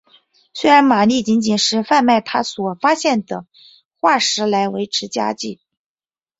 虽然玛丽仅仅是贩卖她所发现的化石来维持家计。